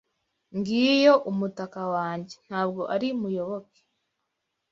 Ngiyo umutaka wanjye, ntabwo ari Muyoboke.